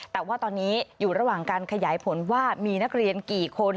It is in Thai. แต่ว่าตอนนี้อยู่ระหว่างการขยายผลว่ามีนักเรียนกี่คน